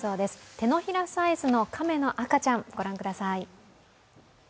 手のひらサイズのカメの赤ちゃん御覧ください。